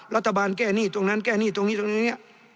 รัฐบาลแก้หนี้ตรงนั้นแก้หนี้ตรงนี้ตรงนี้เนี่ย